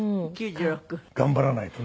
頑張らないとね。